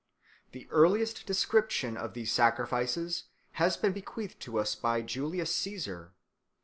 The earliest description of these sacrifices has been bequeathed to us by Julius Caesar.